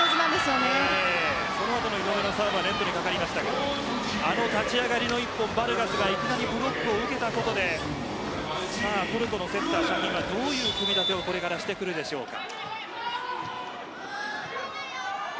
このサーブはネットにかかりましたがあの立ち上がりの１本バルガスがいきなりブロックを受けたことでトルコのセッターはどういう組み立てをこれからしてくるでしょうか。